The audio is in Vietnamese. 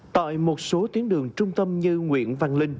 tại một số tuyến đường trung tâm như nguyễn văn linh